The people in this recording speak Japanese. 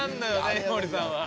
井森さんは。